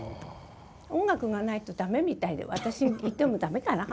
音楽がないと駄目みたいで私いても駄目かな。